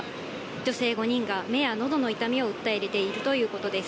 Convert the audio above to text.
女性５人が目やのどの痛みを訴えているということです。